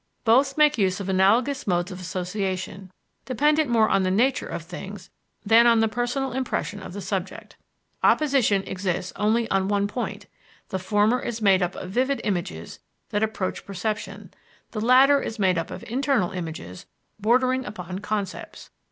Both make use of analogous modes of association, dependent more on the nature of things than on the personal impression of the subject. Opposition exists only on one point: the former is made up of vivid images that approach perception; the latter is made up of internal images bordering upon concepts.